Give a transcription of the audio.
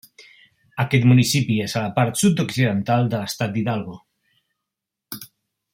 Aquest municipi és a la part sud-occidental de l'estat d'Hidalgo.